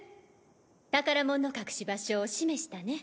宝物の隠し場所を示したね。